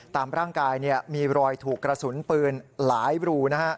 ตามร่างกายมีรอยถูกกระสุนปืนหลายรูนะฮะ